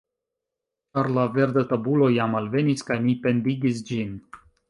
Ĉar la verda tabulo jam alvenis kaj mi pendigis ĝin.